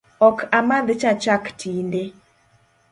Ok amadh cha chak tinde